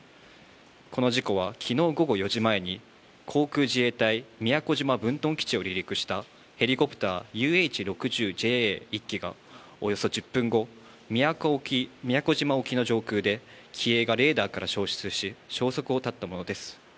この事故はきのう午後４時前に、航空自衛隊宮古島分屯基地を離陸したヘリコプターＵＨ６０ＪＡ１機がおよそ１０分後、宮古島沖の上空で機影がレーダーから消失し、消息を絶ったものです。